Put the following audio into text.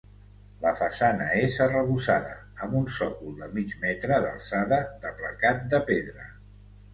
La façana és arrebossada, amb un sòcol de mig metre d'alçada d'aplacat de pedra.